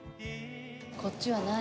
こっちは何？